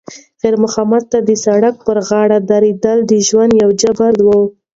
خیر محمد ته د سړک پر غاړه درېدل د ژوند یو جبر و.